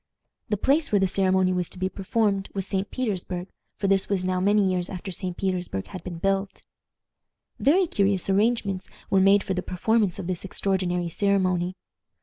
The place where the ceremony was to be performed was St. Petersburg, for this was now many years after St. Petersburg had been built. [Illustration: The Empress Catharine.] Very curious arrangements were made for the performance of this extraordinary ceremony.